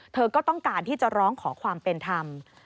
ก็ต้องการที่จะร้องขอความเป็นธรรม